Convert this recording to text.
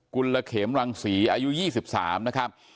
ุลเขมรังศรีอายุ๒๓นะครับ